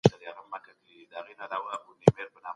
سياسي علومو انسانانو ته د ښه ژوند لاري ورښودلې دي.